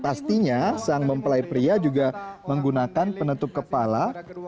pastinya sang mempelai pria juga menggunakan penutup kepala